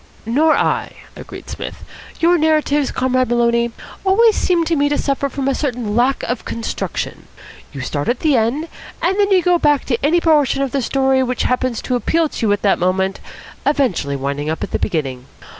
"Nor I," agreed Psmith. "Your narratives, Comrade Maloney, always seem to me to suffer from a certain lack of construction. You start at the end, and then you go back to any portion of the story which happens to appeal to you at the moment, eventually winding up at the beginning.